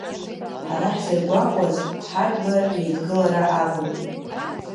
Ҳара ҳзыргәаҟуаз ҳажәлар реидгылара акәын.